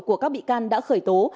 của các bị can đã khởi tố